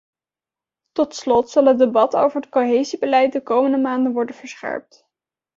Tot slot zal het debat over het cohesiebeleid de komende maanden worden verscherpt.